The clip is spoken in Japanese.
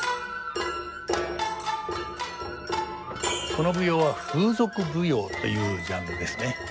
この舞踊は風俗舞踊というジャンルですね。